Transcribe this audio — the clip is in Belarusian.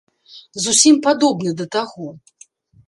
Зусім падобны да таго.